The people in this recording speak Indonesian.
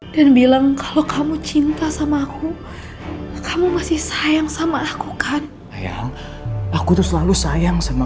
dan bilang kalau kamu cinta sama aku kamu masih sayang sama aku kan aku tuh selalu sayang sama